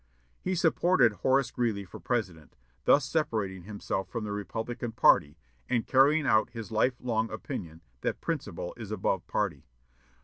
He supported Horace Greeley for President, thus separating himself from the Republican party, and carrying out his life long opinion that principle is above party.